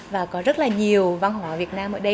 và có rất là nhiều văn hóa việt nam ở đây